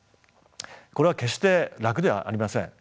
これは決して楽ではありません。